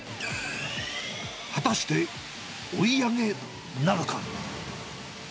果たして追い上げなるか。